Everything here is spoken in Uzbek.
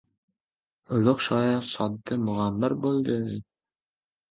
Ulug‘ shoir sodda-mug‘ambir bo‘ldi.